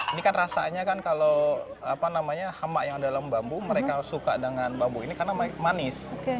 ini kan rasanya kan kalau apa namanya hamak yang ada dalam bambu mereka suka dengan bambu ini karena manis